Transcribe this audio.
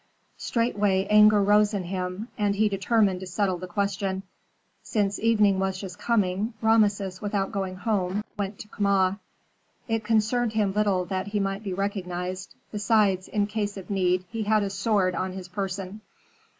Straightway anger rose in him, and he determined to settle the question. Since evening was just coming, Rameses, without going home, went to Kama. It concerned him little that he might be recognized; besides, in case of need, he had a sword on his person.